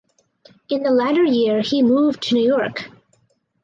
In the latter year he moved to New York.